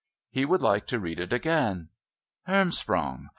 He would like to read it again. Hermsprong!